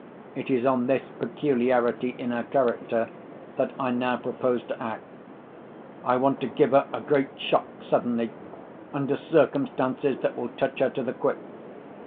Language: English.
It is on this peculiarity in her character that I now propose to act. I want to give her a great shock suddenly, under circumstances that will touch her to the quick.